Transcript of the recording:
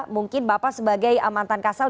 mungkin bapak sebagai amatan kasar